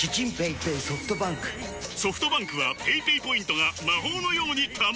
ソフトバンクはペイペイポイントが魔法のように貯まる！